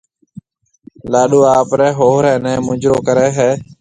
لاڏو آپريَ ھوھرَي نيَ مُجرو ڪرَي ھيََََ